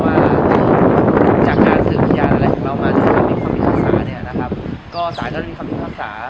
ว่าจากการสืบพยานอะไรมาก็จะสาหรับมีคำพิภาษา